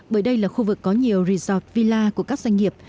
bởi đây là khu vực có nhiều resort villa của các doanh nghiệp